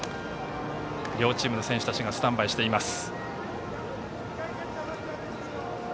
両チームの選手たちがスタンバイをしています。